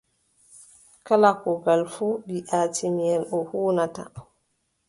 Kala kuugal fuu ɓii atiimiyel o huunata.